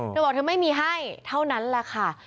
เธอบอกเธอไม่มีให้เท่านั้นแหละค่ะ